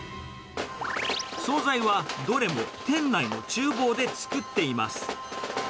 総菜は、どれも店内のちゅう房で作っています。